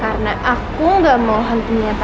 karena aku gak mau hantu nyata